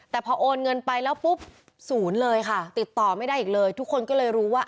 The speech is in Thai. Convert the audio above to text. แต่พอโอนเงินไปแล้วปุ๊บศูนย์เลยค่ะติดต่อไม่ได้อีกเลยทุกคนก็เลยรู้ว่า